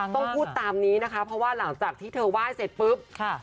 ต้องพูดตามนี้นะคะเพราะว่าหลังจากว่าที่เธอวาดเสร็จปุ๊บ